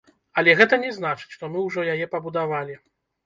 Але гэта не значыць, што мы ўжо яе пабудавалі.